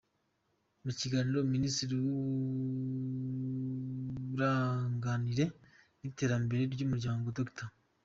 Mu kiganiro Minisitiri w’Uburanganire n’Iterambere ry’Umuryango, Dr.